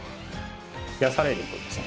冷やされるとですね